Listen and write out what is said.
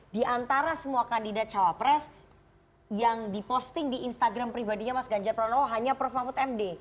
di antara semua kandidat cawapres yang diposting di instagram pribadinya mas ganjar pranowo hanya prof mahfud md